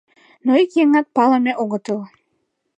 Но ик еҥат палыме огытыл.